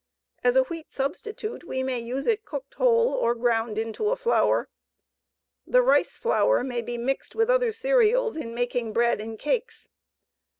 As a wheat substitute we may use it cooked whole or ground into a flour. The rice flour may be mixed with other cereals in making bread and cakes.